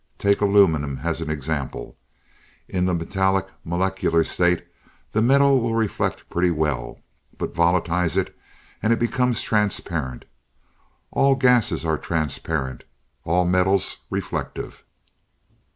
Take aluminum as an example. In the metallic molecule state, the metal will reflect pretty well. But volatilize it, and it becomes transparent. All gases are transparent, all metals reflective.